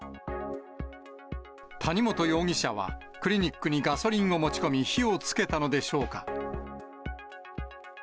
谷本容疑者は、クリニックにガソリンを持ち込み、火をつけたのでしょうか。